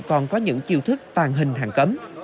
còn có những chiêu thức tàn hình hàng cấm